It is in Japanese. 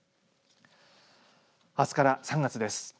あすから３月です。